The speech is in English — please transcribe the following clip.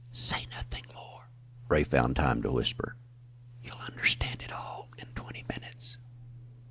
"Say nothing more," Ray found time to whisper. "You'll understand it all in twenty minutes."